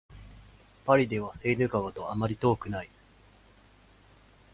パリではセーヌ川とあまり遠くない